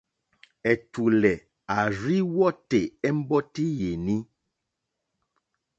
Ɛ̀tùlɛ̀ à rzí wɔ́tè ɛ̀mbɔ́tí yèní.